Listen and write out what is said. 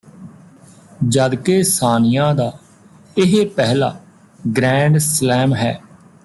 ਜਦਕਿ ਸਾਨੀਆ ਦਾ ਇਹ ਪਹਿਲਾ ਗ੍ਰੈਂਡ ਸਲੈਮ ਹੈ